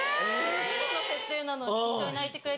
ウソの設定なのに一緒に泣いてくれて。